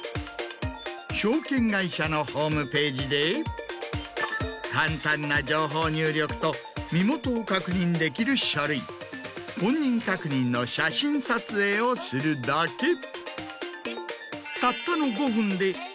証券会社のホームページで簡単な情報入力と身元を確認できる書類本人確認の写真撮影をするだけ。